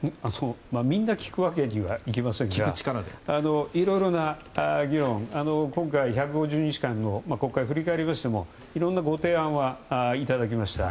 みんな聞くわけにはいきませんが、いろいろな議論を今回１５０日間の国会を振り返りましてもいろんなご提案はいただきました。